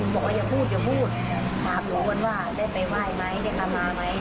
หนูบอกว่าอย่าพูดอย่าพูดถามหนูว่าได้ไปไหว้ไหมได้ทำมาไหม